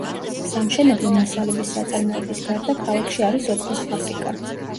სამშენებლო მასალების საწარმოების გარდა ქალაქში არის ოქროს ფაბრიკა.